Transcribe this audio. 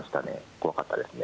怖かったですね。